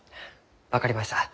分かりました。